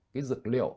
cái dược liệu